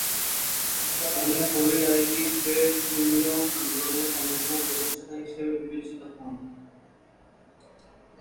তিনি solidarity trade-union আন্দোলনের অন্যতম প্রতিষ্ঠাতা হিসেবে বিবেচিত হন।